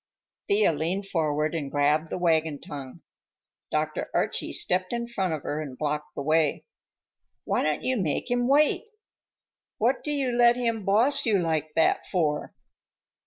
Thea leaned forward and grabbed the wagon tongue. Dr. Archie stepped in front of her and blocked the way. "Why don't you make him wait? What do you let him boss you like that for?"